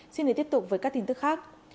xin để tiếp tục với các tin tức khác